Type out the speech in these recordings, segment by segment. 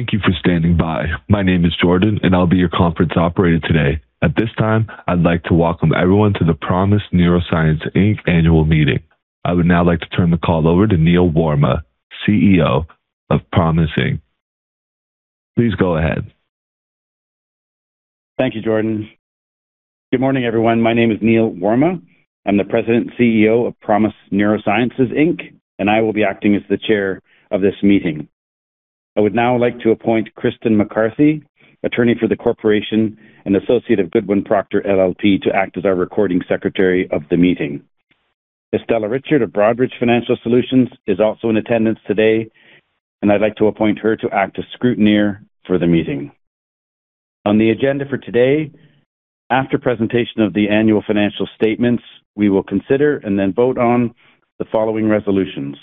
Thank you for standing by. My name is Jordan, and I'll be your conference operator today. At this time, I'd like to welcome everyone to the ProMIS Neurosciences Inc. annual meeting. I would now like to turn the call over to Neil Warma, CEO of ProMIS Inc. Please go ahead. Thank you, Jordan. Good morning, everyone. My name is Neil Warma. I'm the President and Chief Executive Officer of ProMIS Neurosciences Inc., and I will be acting as the chair of this meeting. I would now like to appoint Kristen McCarthy, attorney for the corporation and associate of Goodwin Procter LLP, to act as our recording secretary of the meeting. Estella Richard of Broadridge Financial Solutions is also in attendance today, and I'd like to appoint her to act as Scrutineer for the meeting. On the agenda for today, after presentation of the annual financial statements, we will consider and then vote on the following resolutions.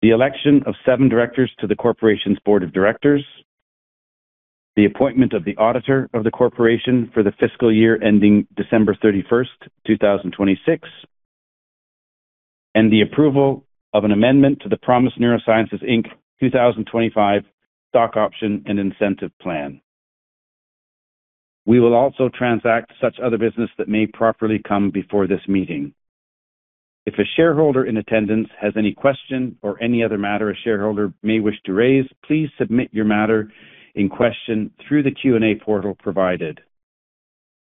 The election of seven directors to the corporation's board of directors, the appointment of the auditor of the corporation for the fiscal year ending December 31st, 2026, and the approval of an amendment to the ProMIS Neurosciences Inc. 2025 Stock Option and Incentive Plan. We will also transact such other business that may properly come before this meeting. If a shareholder in attendance has any question or any other matter a shareholder may wish to raise, please submit your matter in question through the Q&A portal provided.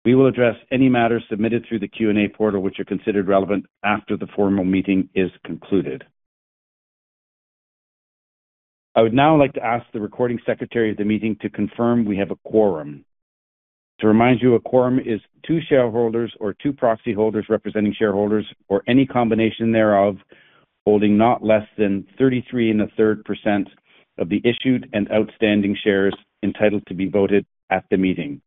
We will address any matters submitted through the Q&A portal, which are considered relevant after the formal meeting is concluded. I would now like to ask the recording secretary of the meeting to confirm we have a quorum. To remind you, a quorum is two shareholders or two proxy holders representing shareholders or any combination thereof, holding not less than 33.3% of the issued and outstanding shares entitled to be voted at the meeting.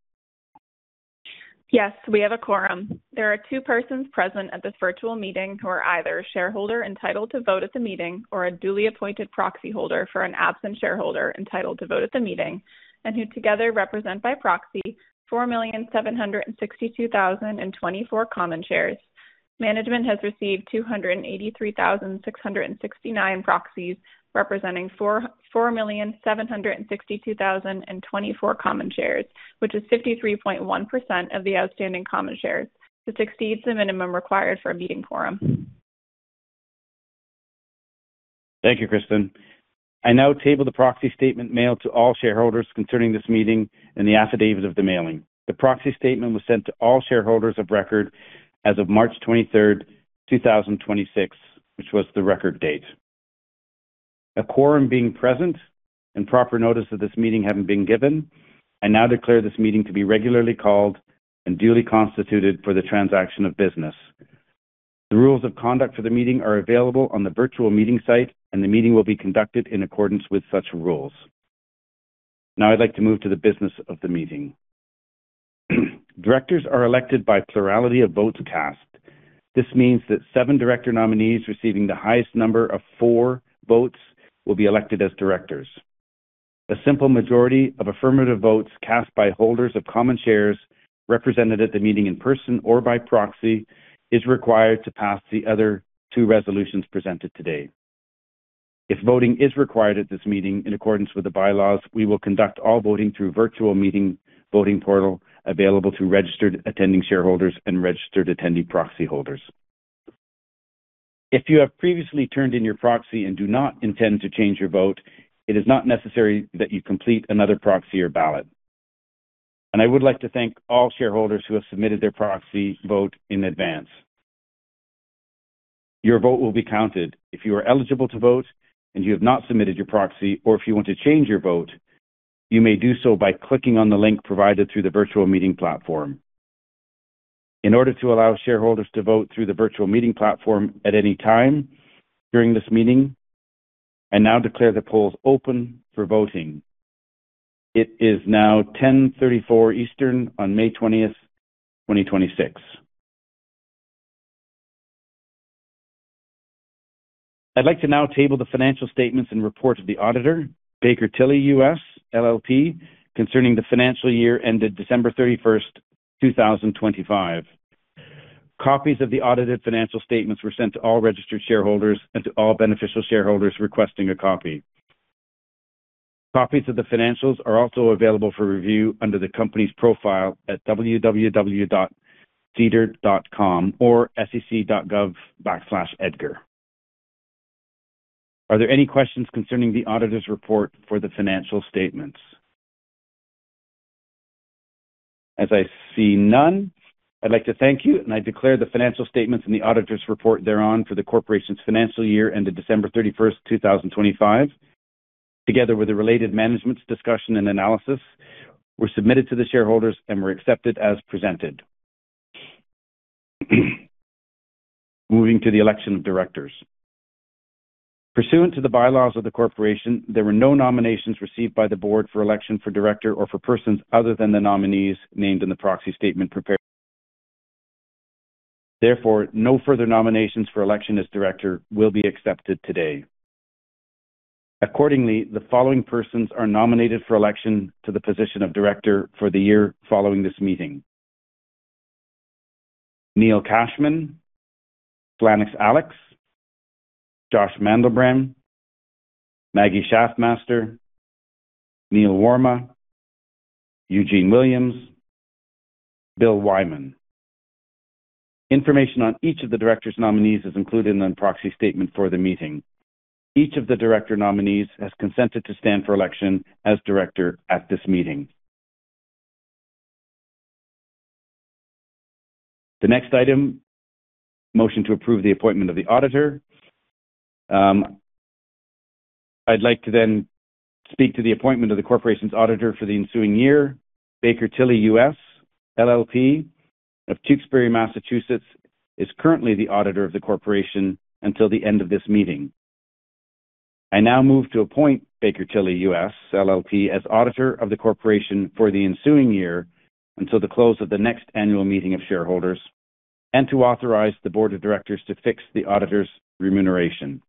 Yes, we have a quorum. There are two persons present at this virtual meeting who are either a shareholder entitled to vote at the meeting or a duly appointed proxy holder for an absent shareholder entitled to vote at the meeting and who together represent by proxy 4,762,024 common shares. Management has received 283,669 proxies representing 4,762,024 common shares, which is 53.1% of the outstanding common shares, which exceeds the minimum required for a meeting quorum. Thank you, Kristen. I now table the proxy statement mailed to all shareholders concerning this meeting and the affidavit of the mailing. The proxy statement was sent to all shareholders of record as of March 23rd, 2026, which was the record date. A quorum being present and proper notice of this meeting having been given, I now declare this meeting to be regularly called and duly constituted for the transaction of business. The rules of conduct for the meeting are available on the virtual meeting site, and the meeting will be conducted in accordance with such rules. I'd like to move to the business of the meeting. Directors are elected by plurality of votes cast. This means that seven director nominees receiving the highest number of for votes will be elected as directors. A simple majority of affirmative votes cast by holders of common shares represented at the meeting in person or by proxy is required to pass the other two resolutions presented today. If voting is required at this meeting in accordance with the bylaws, we will conduct all voting through virtual meeting voting portal available through registered attending shareholders and registered attendee proxy holders. If you have previously turned in your proxy and do not intend to change your vote, it is not necessary that you complete another proxy or ballot. I would like to thank all shareholders who have submitted their proxy vote in advance. Your vote will be counted. If you are eligible to vote and you have not submitted your proxy, or if you want to change your vote, you may do so by clicking on the link provided through the virtual meeting platform. In order to allow shareholders to vote through the virtual meeting platform at any time during this meeting, I now declare the polls open for voting. It is now 10:34 Eastern on May 20th, 2026. I'd like to now table the financial statements and report of the auditor, Baker Tilly US, LLP, concerning the financial year ended December 31st, 2025. Copies of the audited financial statements were sent to all registered shareholders and to all beneficial shareholders requesting a copy. Copies of the financials are also available for review under the company's profile at www.sedar.com or sec.gov/edgar. Are there any questions concerning the auditor's report for the financial statements? As I see none, I'd like to thank you, and I declare the financial statements and the auditor's report thereon for the corporation's financial year ended December 31st, 2025, together with the related management's discussion and analysis, were submitted to the shareholders and were accepted as presented. Moving to the election of directors. Pursuant to the bylaws of the corporation, there were no nominations received by the board for election for director or for persons other than the nominees named in the proxy statement prepared. No further nominations for election as director will be accepted today. Accordingly, the following persons are nominated for election to the position of director for the year following this meeting: Neil Cashman, Slanix Alex, Josh Mandel-Brehm, Maggie Shafmaster, Neil Warma, Eugene Williams, William Wyman. Information on each of the directors' nominees is included in the proxy statement for the meeting. Each of the director nominees has consented to stand for election as director at this meeting. The next item, motion to approve the appointment of the auditor. I'd like to then speak to the appointment of the corporation's auditor for the ensuing year, Baker Tilly US, LLP of Tewksbury, Massachusetts, is currently the auditor of the corporation until the end of this meeting. I now move to appoint Baker Tilly US, LLP as auditor of the corporation for the ensuing year until the close of the next annual meeting of shareholders, and to authorize the board of directors to fix the auditor's remuneration.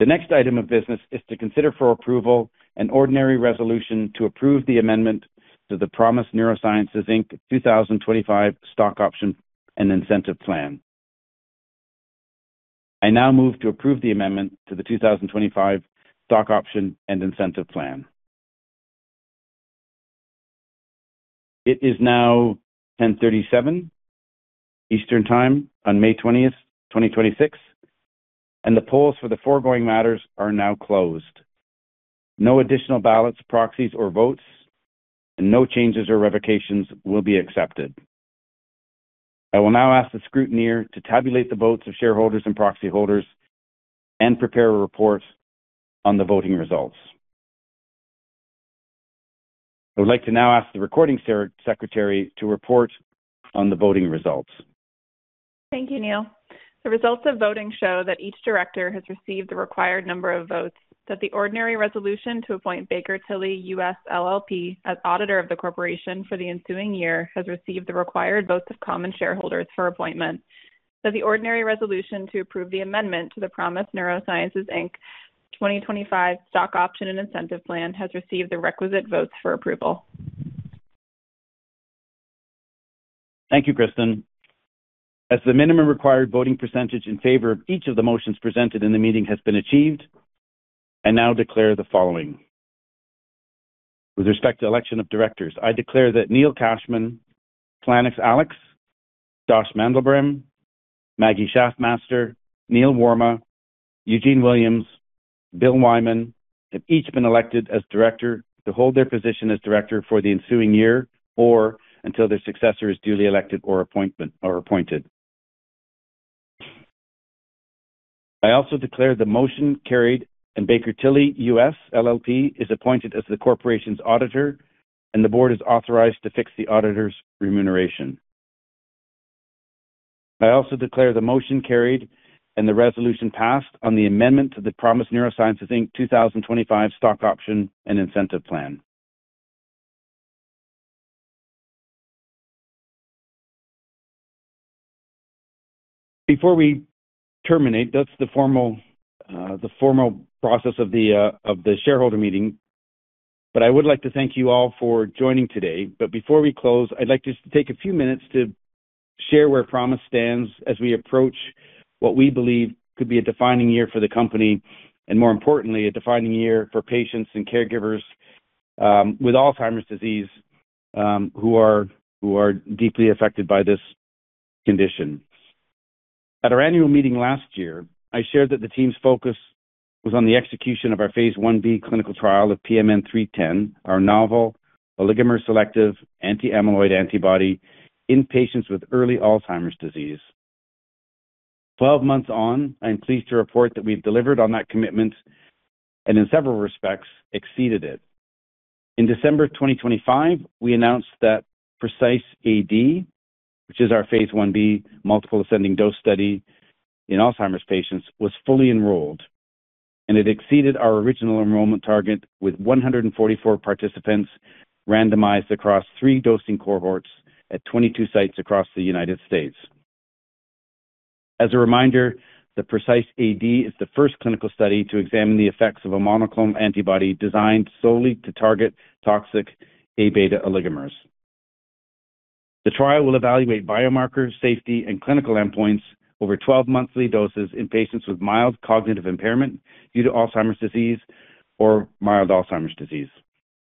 The next item of business is to consider for approval an ordinary resolution to approve the amendment to the ProMIS Neurosciences, Inc. 2025 Stock Option and Incentive Plan. I now move to approve the amendment to the 2025 Stock Option and Incentive Plan. It is now 10:37 A.M. Eastern Time on May 20th, 2026. The polls for the foregoing matters are now closed. No additional ballots, proxies or votes, and no changes or revocations will be accepted. I will now ask the scrutineer to tabulate the votes of shareholders and proxy holders and prepare a report on the voting results. I would like to now ask the recording secretary to report on the voting results. Thank you, Neil. The results of voting show that each director has received the required number of votes, that the ordinary resolution to appoint Baker Tilly US, LLP as auditor of the corporation for the ensuing year has received the required votes of common shareholders for appointment. The ordinary resolution to approve the amendment to the ProMIS Neurosciences, Inc. 2025 Stock Option and Incentive Plan has received the requisite votes for approval. Thank you, Kristen. As the minimum required voting percentage in favor of each of the motions presented in the meeting has been achieved, I now declare the following. With respect to election of directors, I declare that Neil Cashman, Slanix Paul Alex, Josh Mandel-Brehm, Maggie Shafmaster, Neil Warma, Eugene Williams, William Wyman have each been elected as director to hold their position as director for the ensuing year or until their successor is duly elected or appointed. I also declare the motion carried and Baker Tilly US, LLP is appointed as the corporation's auditor, and the board is authorized to fix the auditor's remuneration. I also declare the motion carried and the resolution passed on the amendment to the ProMIS Neurosciences, Inc. 2025 Stock Option and Incentive Plan. Before we terminate, that's the formal process of the shareholder meeting. I would like to thank you all for joining today. Before we close, I'd like to just take a few minutes to share where ProMIS stands as we approach what we believe could be a defining year for the company, and more importantly, a defining year for patients and caregivers with Alzheimer's disease who are deeply affected by this condition. At our annual meeting last year, I shared that the team's focus was on the execution of our phase Ib clinical trial of PMN310, our novel oligomer selective anti-amyloid antibody in patients with early Alzheimer's disease. 12 months on, I am pleased to report that we've delivered on that commitment and in several respects, exceeded it. In December 2025, we announced that PRECISE-AD, which is our phase Ib multiple ascending dose study in Alzheimer's patients, was fully enrolled. It exceeded our original enrollment target with 144 participants randomized across three dosing cohorts at 22 sites across the U.S. As a reminder, PRECISE-AD is the first clinical study to examine the effects of a monoclonal antibody designed solely to target toxic Abeta oligomers. The trial will evaluate biomarkers, safety, and clinical endpoints over 12 monthly doses in patients with mild cognitive impairment due to Alzheimer's disease or mild Alzheimer's disease.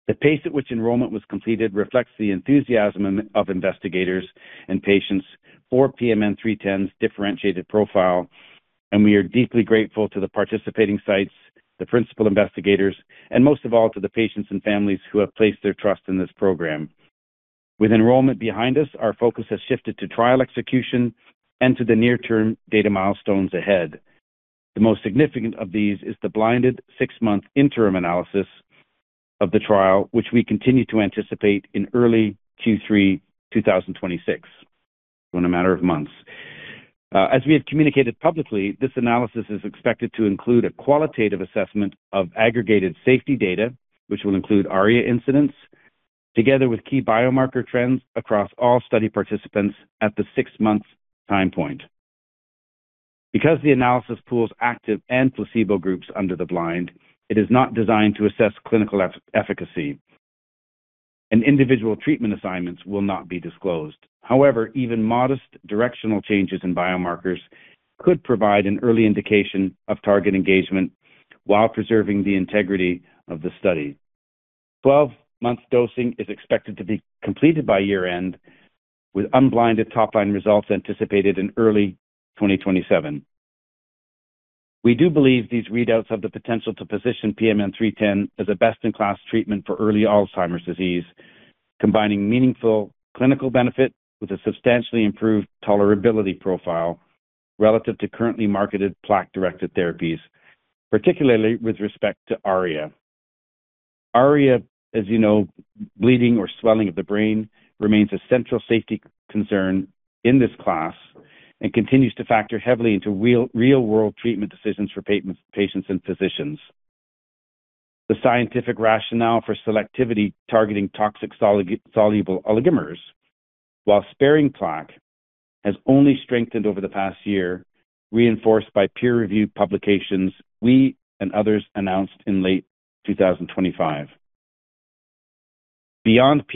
The pace at which enrollment was completed reflects the enthusiasm of investigators and patients for PMN310's differentiated profile, and we are deeply grateful to the participating sites, the principal investigators, and most of all to the patients and families who have placed their trust in this program. With enrollment behind us, our focus has shifted to trial execution and to the near-term data milestones ahead. The most significant of these is the blinded six-month interim analysis of the trial, which we continue to anticipate in early Q3 2026. In a matter of months. As we have communicated publicly, this analysis is expected to include a qualitative assessment of aggregated safety data, which will include ARIA incidence together with key biomarker trends across all study participants at the six-month time point. Because the analysis pools active and placebo groups under the blind, it is not designed to assess clinical efficacy, and individual treatment assignments will not be disclosed. However, even modest directional changes in biomarkers could provide an early indication of target engagement while preserving the integrity of the study. 12 months dosing is expected to be completed by year-end, with unblinded top-line results anticipated in early 2027. We do believe these readouts have the potential to position PMN310 as a best-in-class treatment for early Alzheimer's disease, combining meaningful clinical benefit with a substantially improved tolerability profile relative to currently marketed plaque-directed therapies, particularly with respect to ARIA. ARIA, as you know, bleeding or swelling of the brain, remains a central safety concern in this class and continues to factor heavily into real-world treatment decisions for patients and physicians. The scientific rationale for selectivity targeting toxic soluble oligomers while sparing plaque has only strengthened over the past year, reinforced by peer-reviewed publications we and others announced in late 2025. Beyond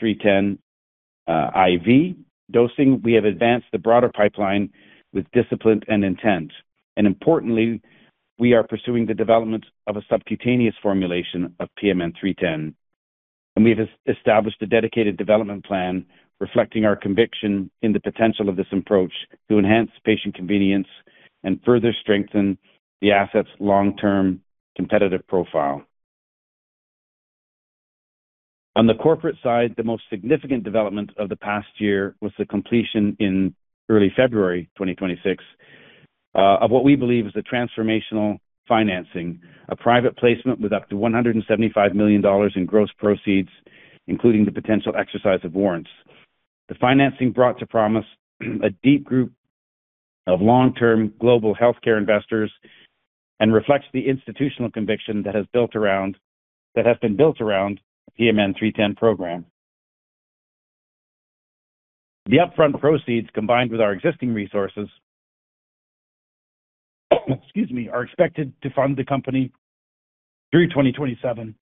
PMN310 IV dosing, we have advanced the broader pipeline with discipline and intent. Importantly, we are pursuing the development of a subcutaneous formulation of PMN310, and we have established a dedicated development plan reflecting our conviction in the potential of this approach to enhance patient convenience and further strengthen the asset's long-term competitive profile. On the corporate side, the most significant development of the past year was the completion in early February 2026, of what we believe is the transformational financing, a private placement with up to $175 million in gross proceeds, including the potential exercise of warrants. The financing brought to ProMIS a deep group of long-term global healthcare investors and reflects the institutional conviction that has been built around the PMN310 program. The upfront proceeds, combined with our existing resources, excuse me, are expected to fund the company through 2027,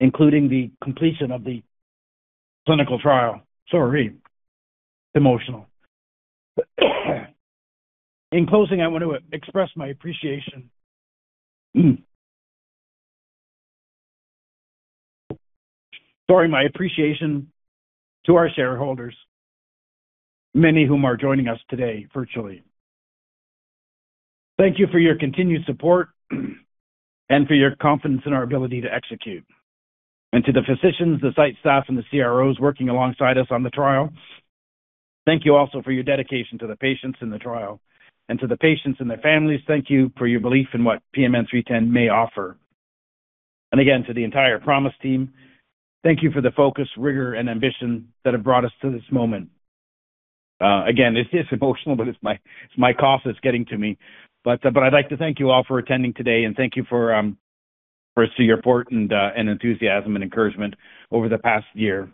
including the completion of the clinical trial. I'm losing my voice. Excuse me. Sorry. Emotional. In closing, I want to express my appreciation. Sorry. My appreciation to our shareholders, many of whom are joining us today virtually. Thank you for your continued support and for your confidence in our ability to execute. To the physicians, the site staff, and the CROs working alongside us on the trial, thank you also for your dedication to the patients in the trial. To the patients and their families, thank you for your belief in what PMN310 may offer. To the entire ProMIS team, thank you for the focus, rigor, and ambition that have brought us to this moment. It is emotional, but it's my cough that's getting to me. I'd like to thank you all for attending today and thank you for your support and enthusiasm and encouragement over the past year.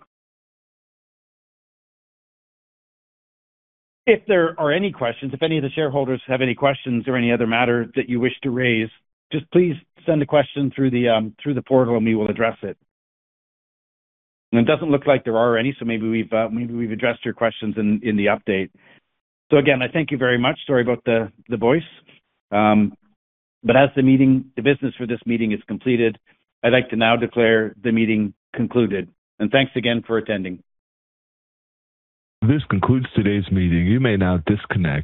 If there are any questions, if any of the shareholders have any questions or any other matter that you wish to raise, just please send a question through the portal and we will address it. It doesn't look like there are any, so maybe we've addressed your questions in the update. Again, I thank you very much. Sorry about the voice. As the business for this meeting is completed, I'd like to now declare the meeting concluded. Thanks again for attending. This concludes today's meeting. You may now disconnect.